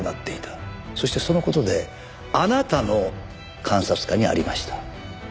そしてその事であなたの監察下にありました。